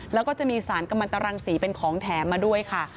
แล้วก็จะมีสารกำลังตรังสีเป็นของแถมมาด้วยค่ะ